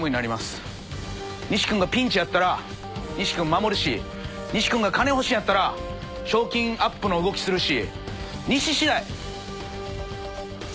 西君がピンチやったら西君守るし西君が金欲しいんやったら賞金アップの動きするし。